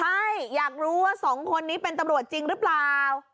ใช่อยากรู้ว่าสองคนนี้เป็นตำรวจจริงหรือเปล่า